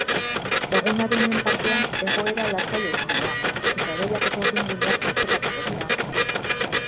Egunaren lehen partean egoera lasaia izango da eta hodeiak eta urdinguneak tartekatuko dira.